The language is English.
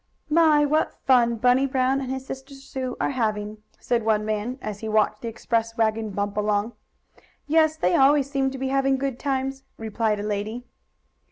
"My! what fun Bunny Brown and his sister Sue are having!" said one man, as he watched the express wagon bump along. "Yes, they always seem to be having good times," replied a lady.